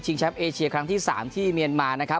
ชิงแชมป์เอเชียครั้งที่๓ที่เมียนมา